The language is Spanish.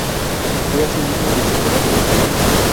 Fue asimismo diseñador de mosaicos.